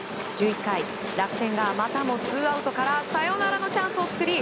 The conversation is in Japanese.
１１回、楽天がまたもツーアウトからサヨナラのチャンスを作り